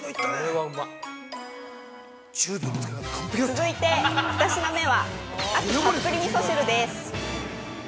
◆続いて２品目は、秋たっぷりみそ汁です。